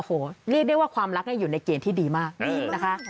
โอ้โหเรียกได้ว่าความรักอยู่ในเกณฑ์ที่ดีมากนะคะ